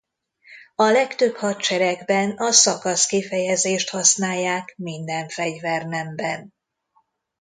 A legtöbb hadseregben a szakasz kifejezést használják minden fegyvernemben.